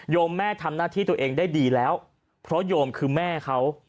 แม่ทำหน้าที่ตัวเองได้ดีแล้วเพราะโยมคือแม่เขา